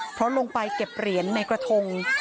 เพราะลงไปเก็บเหรียญในกระทง